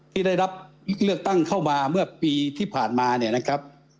ที่ได้รับเลือกตั้งเข้ามาเมื่อปีที่ผ่านมา